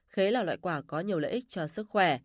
khế là loại quả có nhiều lợi ích cho sức khỏe